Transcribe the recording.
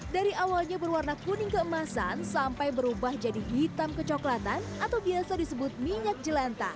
dari awalnya berwarna kuning keemasan sampai berubah jadi hitam kecoklatan atau biasa disebut minyak jelanta